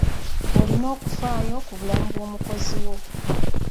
Olina okufayo ku bulamu bw'omukozi wo.